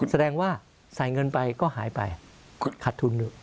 แสดงว่าใส่เงินไปก็หายไปขัดทุนอยู่